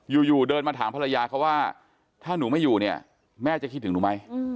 อยู่เดินมาถามภรรยาเขาว่าถ้าหนูไม่อยู่เนี่ยแม่จะคิดถึงหนูไหม